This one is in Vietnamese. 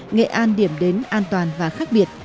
nghệ an điểm đến an toàn và khác biệt